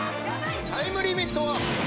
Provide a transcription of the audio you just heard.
タイムリミットは。